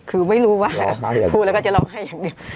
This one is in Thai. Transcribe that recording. คือไม่รู้ว่าพูดแล้วก็จะร้องไห้อย่างเดียว